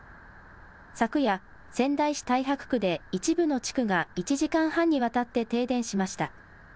昨夜、仙台市太白区で一部の地区が１時間半にわたって停電しました。